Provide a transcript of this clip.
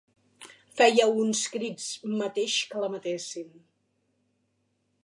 Feia uns crits mateix que la matessin.